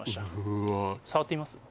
うわ触ってみます？